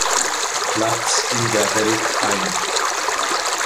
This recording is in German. Platz in der Welt ein.